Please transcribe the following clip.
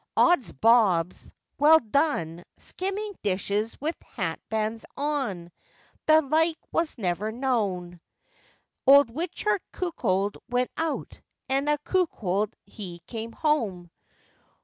'Ods bobs! well done! skimming dishes with hat bands on! The like was never known!' Old Wichet a cuckold went out, and a cuckold he came home!